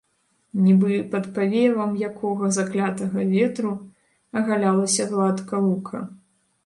Нібы пад павевам якога заклятага ветру агалялася гладка лука.